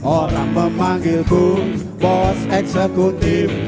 orang memanggil ku bos eksekutif